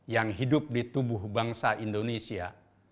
yang hidup di tubuh bangsa indonesia